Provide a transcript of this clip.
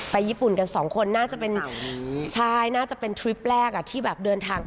ไปญี่ปุ่นกัน๒คอน่าวจะเป็น